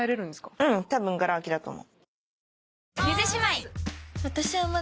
うん多分ガラ空きだと思う。